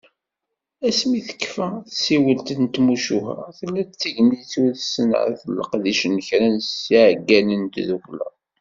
Asmi tekfa tsiwelt n tmucuha, tella-d tegnit n usenɛet n leqdic n kra seg yiɛeggalen n tdukkla.